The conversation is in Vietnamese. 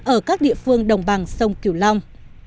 ở các địa phương đồng bằng sông kiều long